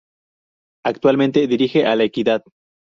Actualmente dirige a La Equidad.